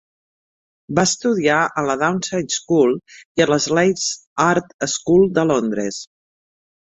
Va estudiar a la Downside School i a la Slade Art School de Londres.